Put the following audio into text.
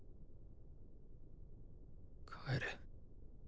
帰れ。